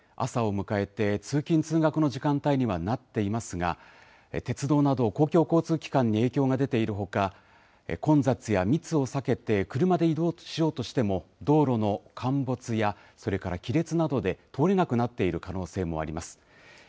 朝を迎えて通勤通学の時間帯にはなっていますが鉄道など公共交通機関に影響が出ているほか混雑や密を避けて車で移動しようとしても道路の陥没やそれから亀裂などで通れなくなっている可能性もあります。